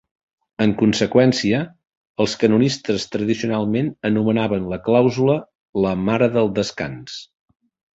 En conseqüència, els canonistes tradicionalment anomenaven la clàusula la "mare del descans".